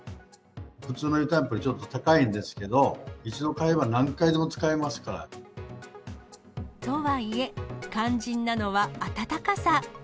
普通の湯たんぽよりちょっと高いんですけど、一度買えば、何回でとはいえ、肝心なのは暖かさ。